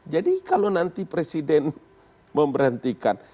jadi kalau nanti presiden memberhentikan